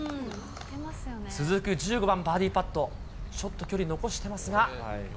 続く１５番バーディーパット、ちょっと距離残してますが。